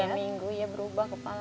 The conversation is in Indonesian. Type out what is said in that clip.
tiga minggu ya berubah kepalanya